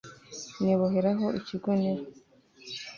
niboheraho ikigunira